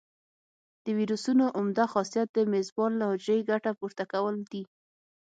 د ویروسونو عمده خاصیت د میزبان له حجرې ګټه پورته کول دي.